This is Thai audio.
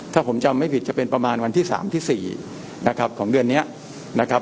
ถ้าผมจำไม่ผิดจะเป็นประมาณวันที่๓ที่๔นะครับของเดือนนี้นะครับ